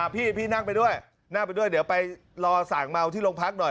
พี่นั่งไปด้วยเดี๋ยวไปรอส่างเมาที่โรงพักหน่อย